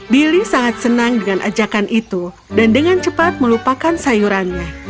billy sangat senang dengan ajakan itu dan dengan cepat melupakan sayurannya